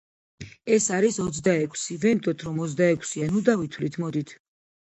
ეს არის ოცდაექვსი, ვენდოთ რომ ოცდაექვსია, ნუ დავითვლით მოდით.